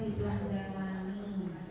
itu sudah elani